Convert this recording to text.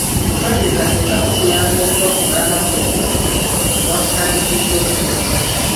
Okweteekateeka kukuyamba okuba ku mulamwa gwennyini ogwakutandisizza okusoma.